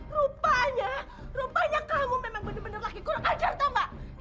rupanya rupanya kamu memang benar benar lagi kurang ajar atau enggak